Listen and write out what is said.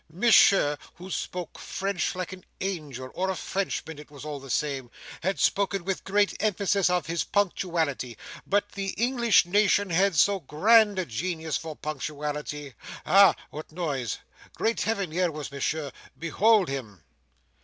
Monsieur (who spoke French like an Angel—or a Frenchman—it was all the same) had spoken with great emphasis of his punctuality. But the English nation had so grand a genius for punctuality. Ah! what noise! Great Heaven, here was Monsieur. Behold him!"